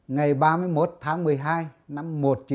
ngày ba mươi một tháng một mươi hai năm một nghìn chín trăm bảy mươi